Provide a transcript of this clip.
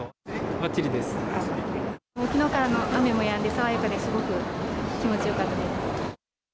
もうきのうからの雨もやんで、爽やかで、すごく気持ちよかったです。